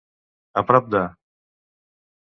A prop de.